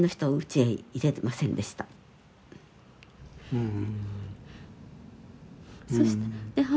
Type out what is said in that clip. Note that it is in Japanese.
うん。